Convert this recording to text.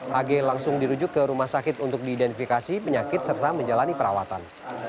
hg langsung dirujuk ke rumah sakit untuk diidentifikasi penyakit serta menjalani perawatan